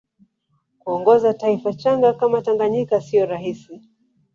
kuongoza taifa changa kama tanganyika siyo rahisi